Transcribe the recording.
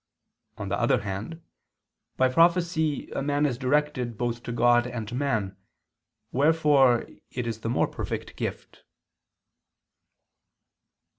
On the other hand, by prophecy a man is directed both to God and to man; wherefore it is the more perfect gift.